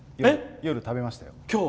夜、食べましたよ、きょう。